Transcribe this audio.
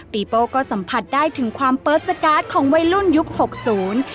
โป้ก็สัมผัสได้ถึงความเปิดสการ์ดของวัยรุ่นยุคหกศูนย์